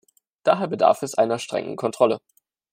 Daher bedarf es einer strengen Kontrolle.